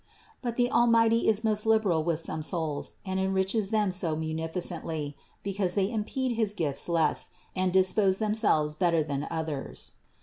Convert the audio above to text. But the Almighty is most liberal with some souls and enriches them so munificently, because they impede his gifts less, and dispose themselves better than others.